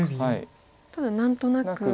ただ何となく。